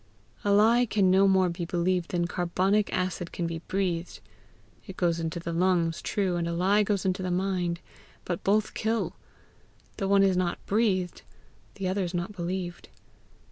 A lie can no more be believed than carbonic acid can be breathed. It goes into the lungs, true, and a lie goes into the mind, but both kill; the one is not BREATHED, the other is not BELIEVED.